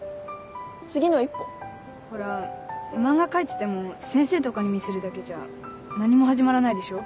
次の一歩？ほら漫画描いてても先生とかに見せるだけじゃ何も始まらないでしょ？